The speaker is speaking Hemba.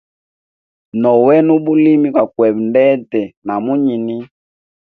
No wena ubulimi kwa kweba ndete na munyini.